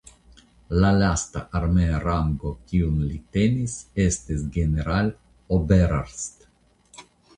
La lasta armea rango kiun li tenis estis "Generaloberarzt".